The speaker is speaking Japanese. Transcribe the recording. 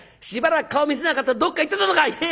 しばらく顔見せなかったどっか行ってたのかい！」。